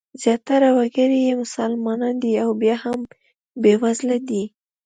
زیاتره وګړي یې مسلمانان دي او بیا هم بېوزله دي.